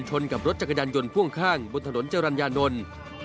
กับรถจักรยานยนต์พ่วงข้างบนถนนจรรยานนท์